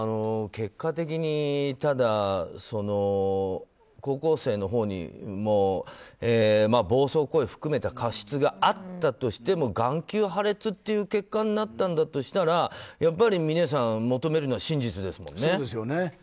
結果的に、ただ高校生のほうも暴走行為を含めた過失があったとしても眼球破裂っていう結果になったんだとしたらやっぱり峰さん、求めるのは真実ですもんね。